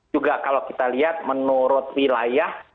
juga kalau kita lihat menurut wilayah